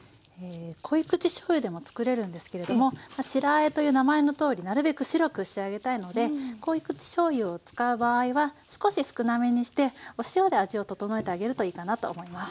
こい口しょうゆでもつくれるんですけれども白あえという名前のとおりなるべく白く仕上げたいのでこい口しょうゆを使う場合は少し少なめにしてお塩で味を調えてあげるといいかなと思います。